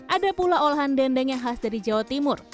ada pula olahan dendeng yang khas dari jawa timur